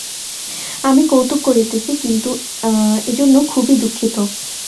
আমি কৌতুক করিতেছি, কিন্তু এজন্য খুবই দুঃখিত।